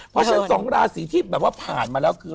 เพราะฉะนั้น๒ราศีที่แบบว่าผ่านมาแล้วคือ